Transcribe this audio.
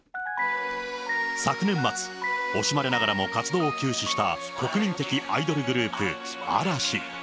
昨年末、惜しまれながらも活動を休止した国民的アイドルグループ、嵐。